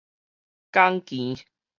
港墘